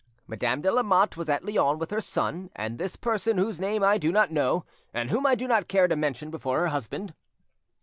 Madame de Lamotte was at Lyons with her son and this person whose name I do not know, and whom I do not care to mention before her husband.